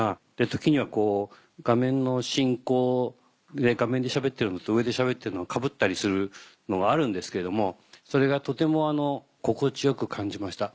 時には画面の進行で画面でしゃべってるのと上でしゃべってるのがかぶったりするのがあるんですけれどもそれがとても心地よく感じました。